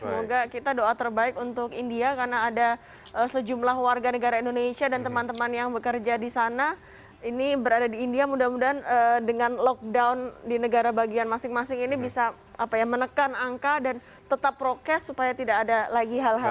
semoga kita doa terbaik untuk india karena ada sejumlah warga negara indonesia dan teman teman yang bekerja di sana ini berada di india mudah mudahan dengan lockdown di negara bagian masing masing ini bisa menekan angka dan tetap prokes supaya tidak ada lagi hal hal